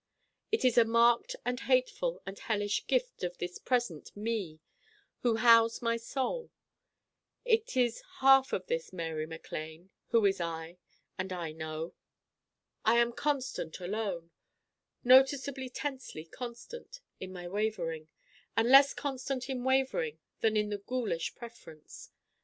It is a marked and hateful and hellish gift of this present Me who house my Soul. It is half of this Mary MacLane who is I : and I know. I am constant alone noticeably tensely constant in my Wavering: and less constant in Wavering than in the ghoulish preference.